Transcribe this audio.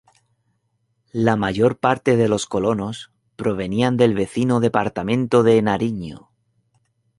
La mayor parte de los colonos provenían del vecino departamento de Nariño.